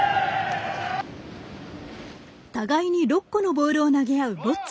互いに６個のボールを投げ合うボッチャ。